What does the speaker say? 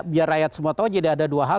biar rakyat semua tahu jadi ada dua hal